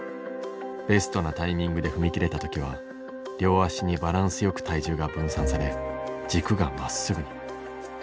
ベストなタイミングで踏み切れた時は両足にバランスよく体重が分散され軸がまっすぐに。